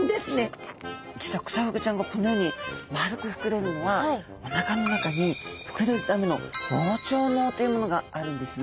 実はクサフグちゃんがこのように丸く膨れるのはおなかの中に膨れるための「膨張のう」というものがあるんですね。